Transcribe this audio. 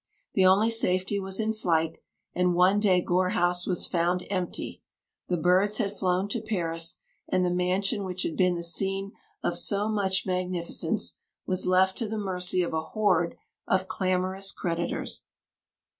The only safety was in flight; and one day Gore House was found empty. The birds had flown to Paris; and the mansion which had been the scene of so much magnificence was left to the mercy of a horde of clamorous creditors.